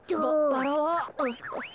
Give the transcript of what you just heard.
バラは？あ。